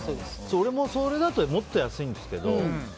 それもそれだともっと安いんですけど。